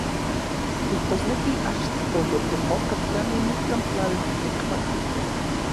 Kijtosneki achtoj yotemoka tlani nikan tlaltikpak.